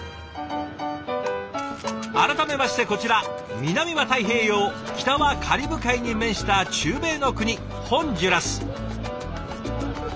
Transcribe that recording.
改めましてこちら南は太平洋北はカリブ海に面した中米の国ホンジュラス。